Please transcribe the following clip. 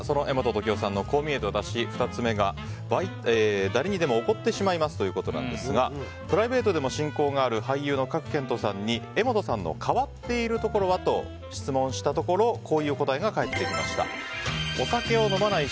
柄本時生さんのこう見えてワタシ２つ目が、誰にでもおごってしまいますということですがプライベートでも親交がある俳優の賀来賢人さんに柄本さんの変わっているところはと質問したところ、こういうお答えが返ってきました。